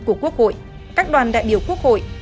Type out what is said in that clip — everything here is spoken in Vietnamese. của quốc hội các đoàn đại biểu quốc hội